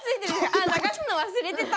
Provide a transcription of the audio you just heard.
「あ流すの忘れてた」。